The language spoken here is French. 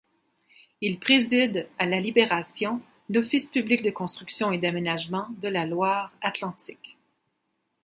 Il préside, à la Libération, l'Office public de construction et d'aménagement de la Loire-Atlantique.